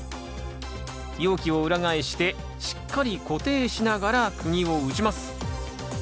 容器を裏返してしっかり固定しながらくぎを打ちます。